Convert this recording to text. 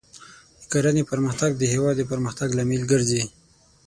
د کرنې پرمختګ د هېواد د پرمختګ لامل ګرځي.